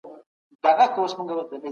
نوښتګر اوسئ او کتاب ولولئ.